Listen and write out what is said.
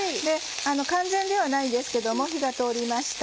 完全ではないんですけども火が通りました。